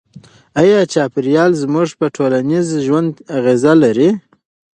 آیا چاپیریال زموږ په ټولنیز ژوند اغېز لري؟